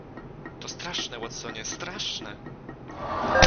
"To straszne, Watsonie, straszne!..."